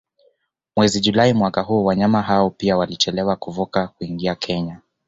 Mwezi Julai mwaka huu wanyama hao pia walichelewa kuvuka kuingia Kenya